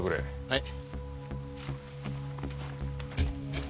はい。